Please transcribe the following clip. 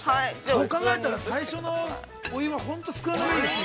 ◆そう考えたら、最初のお湯は本当に少なめでいいですね。